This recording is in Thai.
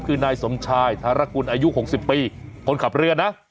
คือนายสมชายธารกุลอายุ๖๐ปีคนขับเรือนะ